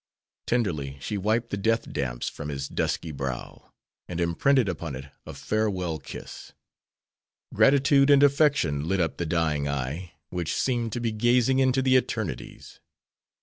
Tenderly she wiped the death damps from his dusky brow, and imprinted upon it a farewell kiss. Gratitude and affection lit up the dying eye, which seemed to be gazing into the eternities.